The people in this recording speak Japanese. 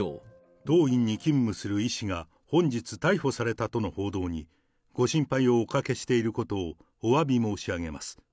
当院に勤務する医師が本日逮捕されたとの報道に、ご心配をおかけしていることをおわび申し上げます。